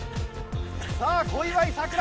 さあ小祝さくら